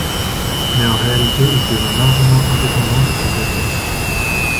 Mais en réalité, il devint largement indépendant de ce dernier.